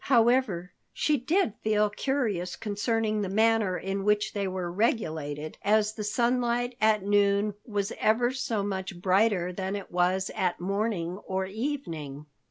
However, she did feel curious concerning the manner in which they were regulated, as the sunlight at noon was ever so much brighter than it was at morning or evening.